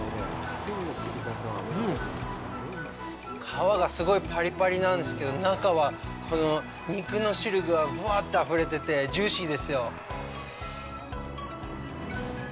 皮がすごいパリパリなんですけど中は肉の汁がぶわってあふれ出てジューシーですよ。